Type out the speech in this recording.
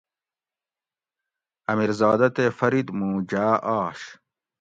امیرزادہ تے فرید مُوں جاۤ آش